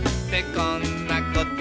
「こんなこと」